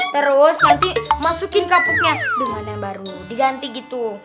terus nanti masukin kapuknya dengan yang baru diganti gitu